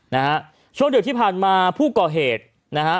นะฮะช่วงดึกที่ผ่านมาผู้ก่อเหตุนะฮะ